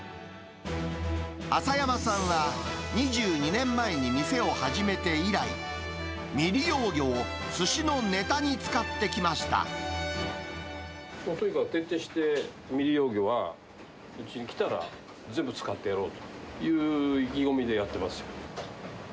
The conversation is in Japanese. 朝山さんは、２２年前に店を始めて以来、未利用魚をすしのネタに使ってきとにかく徹底して未利用魚は、うちに来たら、全部使ってやろうっていう意気込みでやってますよ。